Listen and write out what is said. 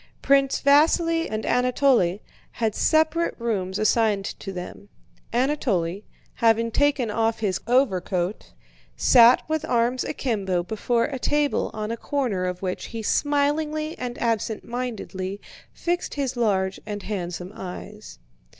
Prince Vasíli and Anatole had separate rooms assigned to them. Anatole, having taken off his overcoat, sat with arms akimbo before a table on a corner of which he smilingly and absent mindedly fixed his large and handsome eyes.